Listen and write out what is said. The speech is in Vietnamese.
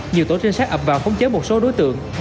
nhiều tổ trinh sát ập vào khống chế một số đối tượng